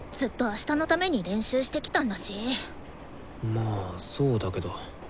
まあそうだけど。